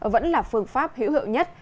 vẫn là phương pháp hữu hiệu nhất